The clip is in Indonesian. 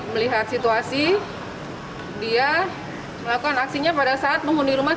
melihat situasi dia melakukan aksinya pada saat menghuni rumah